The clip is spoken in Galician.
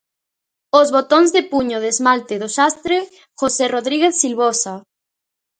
Os botóns de puño de esmalte do xastre José Rodríguez Silvosa.